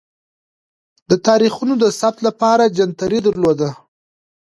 د تاریخونو د ثبت لپاره جنتري درلوده.